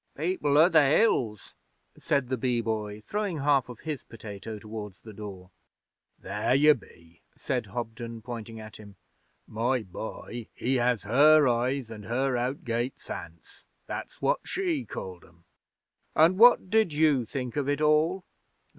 'People o' the Hills,' said the Bee Boy, throwing half of his potato towards the door. 'There you be!' said Hobden, pointing at him. My boy he has her eyes and her out gate sense. That's what she called 'em!' 'And what did you think of it all?'